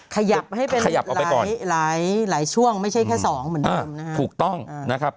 ขยับให้เป็นหลายช่วงไม่ใช่แค่สองเหมือนกันนะฮะอ่าถูกต้องนะครับ